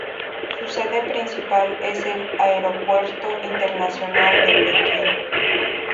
Su sede principal es el Aeropuerto Internacional de Pekín.